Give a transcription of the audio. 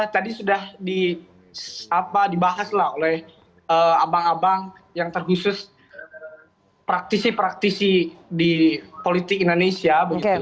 tadi sudah dibahas oleh abang abang yang terkhusus praktisi praktisi di politik indonesia